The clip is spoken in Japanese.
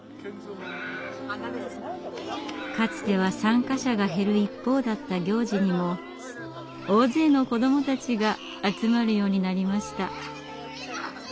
かつては参加者が減る一方だった行事にも大勢の子どもたちが集まるようになりました。